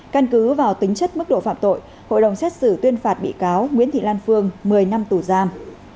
căn cứ vào tính chất mức độ phạm tội hội đồng xét xử tuyên phạt bị cáo nguyễn thị lan phương một mươi năm tù giam